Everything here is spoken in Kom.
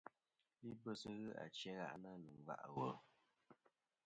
Libɨs ghɨ achi a gha'na nɨ̀ nga' ɨ wùl.